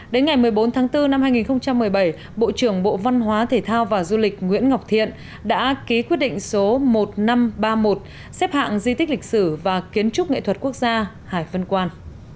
đến ngày một mươi bốn tháng bốn năm hai nghìn một mươi bảy bộ trưởng bộ văn hóa thể thao và du lịch nguyễn ngọc thiện đã ký quyết định số một nghìn năm trăm ba mươi một xếp hạng di tích lịch sử và kiến trúc nghệ thuật quốc gia hải phân quan